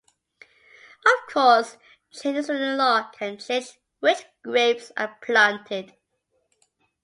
Of course, changes in the law can change which grapes are planted.